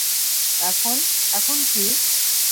এখন-- -এখন কি?